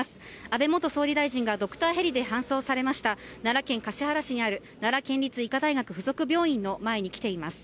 安倍元総理大臣がドクターヘリで搬送されました奈良県橿原市にある奈良県立医科大学付属病院に来ています。